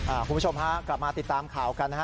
คุณผู้ชมฮะกลับมาติดตามข่าวกันนะฮะ